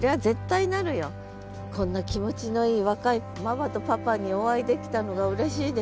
こんな気持ちのいい若いママとパパにお会いできたのがうれしいですわ